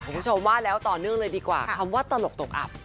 คุณผู้ชมว่าแล้วต่อเนื่องเลยดีกว่าคำว่าตลกตกอับ